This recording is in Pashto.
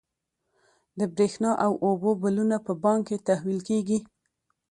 د برښنا او اوبو بلونه په بانک کې تحویل کیږي.